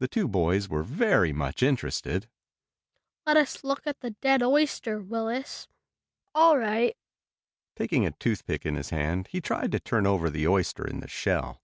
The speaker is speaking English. The two boys were very much interested. "Let us look at the dead oyster, Willis." "All right." Taking a toothpick in his hand he tried to turn over the oyster in the shell.